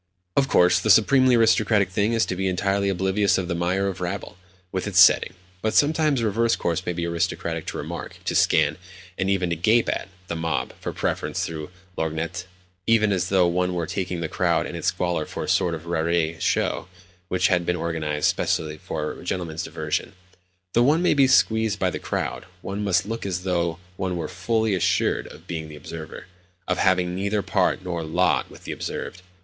Of course, the supremely aristocratic thing is to be entirely oblivious of the mire of rabble, with its setting; but sometimes a reverse course may be aristocratic to remark, to scan, and even to gape at, the mob (for preference, through a lorgnette), even as though one were taking the crowd and its squalor for a sort of raree show which had been organised specially for a gentleman's diversion. Though one may be squeezed by the crowd, one must look as though one were fully assured of being the observer—of having neither part nor lot with the observed.